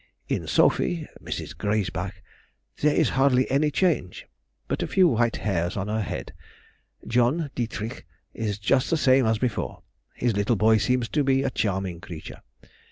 In Sophy [Mrs. Griesbach] there is hardly any change, but a few white hairs on her head. John [Dietrich] is just the same as before, his little boy seems to be a charming creature.